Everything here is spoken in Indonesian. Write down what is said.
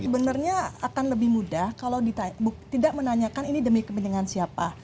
sebenarnya akan lebih mudah kalau tidak menanyakan ini demi kepentingan siapa